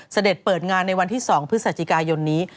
เปิดงานในวันที่๒พฤศจิกายนนี้